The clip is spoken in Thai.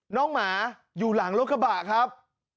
หมาอยู่หลังรถกระบะครับ